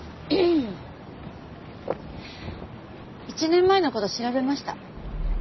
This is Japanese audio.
１年前の事調べました。